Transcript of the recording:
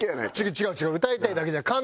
違う違う歌いたいだけじゃない。